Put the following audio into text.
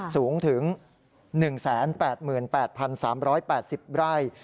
สูงถึง๑๘๘๓๘๐ไร่